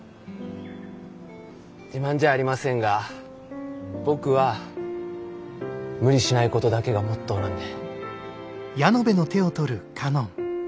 自慢じゃありませんが僕は無理しないことだけがモットーなんで。